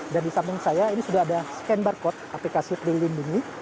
dan di samping saya ini sudah ada scan barcode aplikasi peduli lindungi